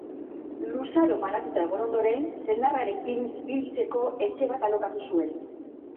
Luzaro banatuta egon ondoren, senarrarekin biltzeko etxe bat alokatu zuen.